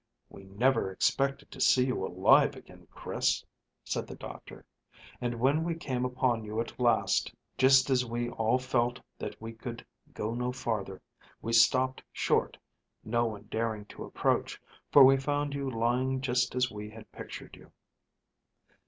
"We never expected to see you alive again, Chris," said the doctor; "and when we came upon you at last, just as we all felt that we could go no farther, we stopped short, no one daring to approach, for we found you lying just as we had pictured you.